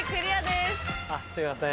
すいません。